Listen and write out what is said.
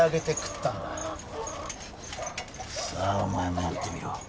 さあお前もやってみろ。